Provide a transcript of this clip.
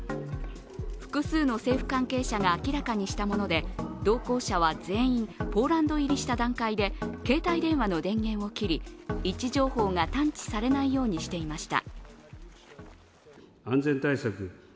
複数の政府関係者が明らかにしたもので同行者は全員、ポーランド入りした段階で携帯電話の電源を切り位置情報が探知されないようにしていました。